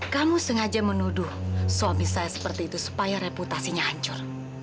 kamu sengaja menuduh suami saya seperti itu supaya reputasinya hancur